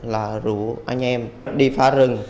và rủ anh em đi phá rừng